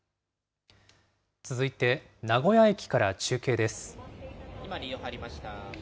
続いて、名古屋駅から中継です。